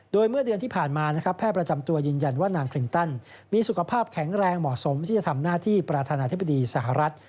โดยเมื่อเดือนที่ผ่านมานะครับแพทย์ประจำตัวยืนยันว่านางคลินตันมีสุขภาพแข็งแรงเหมาะสมที่จะทำหน้าที่ประธานาธิบดีสหรัฐ